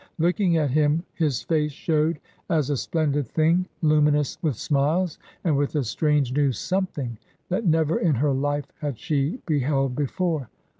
Looking at him, his face showed as a splendid thing luminous with smiles and with a strange new something that never in her life had she beheld before.